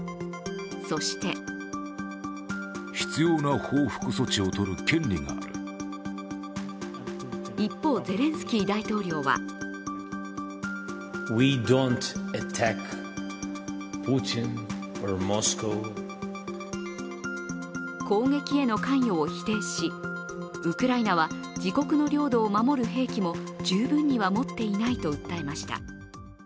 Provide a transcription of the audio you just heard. そして一方、ゼレンスキー大統領は攻撃への関与を否定しウクライナは自国の領土を守る兵器も十分には持っていないと訴えました。